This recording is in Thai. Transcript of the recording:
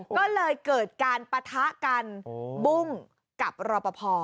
ก็เลยเกิดการปะทะกันบุ้งกับรอปภ